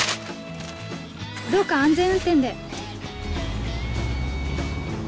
どうか安全運転で。